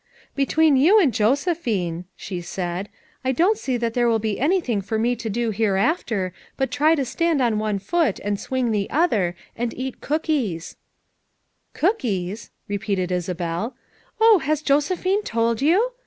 " Between yon and Josephine," she said, "I don't see that there will he anything for me to do hereafter but try to stand on one foot and swing the other, and eat cooldes," '' Cookies !'* repeated Isabel. ' c Oh, has Jose phine told you?